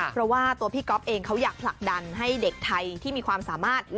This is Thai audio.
เพราะว่าตัวพี่ก๊อฟเองเขาอยากผลักดันให้เด็กไทยที่มีความสามารถ